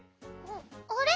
あれ？